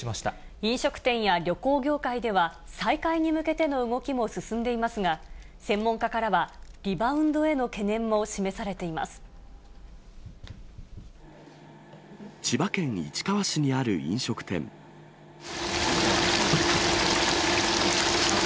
飲食店や旅行業界では、再開に向けての動きも進んでいますが、専門家からはリバウンドへの懸念も示されています。